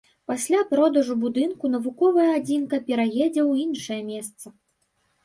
Пасля продажу будынку навуковая адзінка пераедзе ў іншае месца.